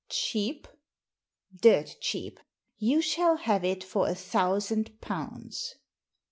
"Cheap?'* "Dirt cheap. You shall have it for a thousand pounds."